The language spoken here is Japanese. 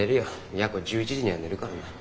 やこ１１時には寝るからな。